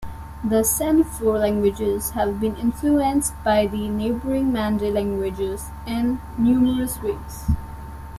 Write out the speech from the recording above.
The Senufo languages have been influenced by the neighbouring Mande languages in numerous ways.